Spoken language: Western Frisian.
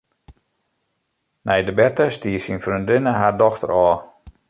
Nei de berte stie syn freondinne har dochter ôf.